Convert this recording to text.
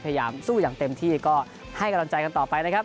พยายามสู้อย่างเต็มที่ก็ให้กำลังใจกันต่อไปนะครับ